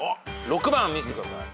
６番見せてください。